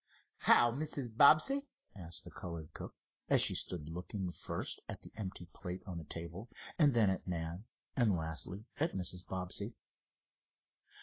"How, Mrs. Bobbsey?" asked the colored cook, as she stood looking first at the empty plate on the table, and then at Nan and lastly at Mrs. Bobbsey.